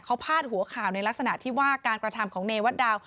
เขาพาดหัวข่าวในลักษณะที่ว่าการกระทำของเนวัตดาว